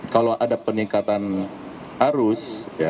kalau ada peningkatan arus